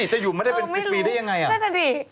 เขาจะอยู่ไม่ได้เป็นปีได้ยังไงอะไม่รู้ราทหะดิ